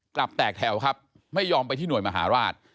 กลับแตกแถวครับไม่ยอมไปที่หน่วยมหาราช